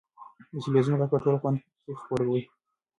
د تلویزون غږ په ټوله خونه کې خپور و.